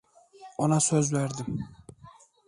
Ona söz verdim.